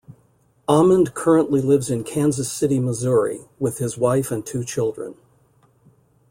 Amend currently lives in Kansas City, Missouri with his wife and two children.